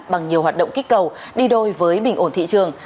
bằng nhiều hoạt động kích cầu đi đôi với bình ổn thị trường